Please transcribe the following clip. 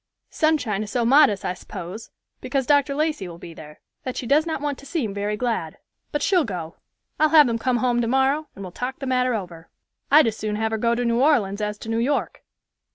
Sunshine is so modest, I s'pose, because Dr. Lacey will be there, that she does not want to seem very glad; but she'll go. I'll have them come home tomorrow, and will talk the matter over. I'd as soon have her go to New Orleans as to New York."